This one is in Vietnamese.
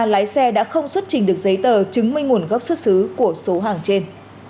lái xe đã không xuất trình được giấy tờ chứng minh nguồn gốc xuất xứ của số hàng trên